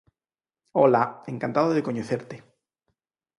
Ola! Encantado de coñecerte.